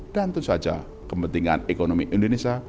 dan tentu saja kepentingan ekonomi indonesia